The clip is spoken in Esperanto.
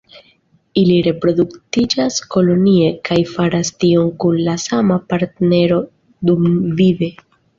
Ili reproduktiĝas kolonie, kaj faras tion kun la sama partnero dumvive.